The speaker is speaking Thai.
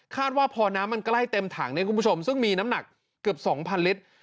ว่าพอน้ำมันใกล้เต็มถังเนี่ยคุณผู้ชมซึ่งมีน้ำหนักเกือบ๒๐๐ลิตร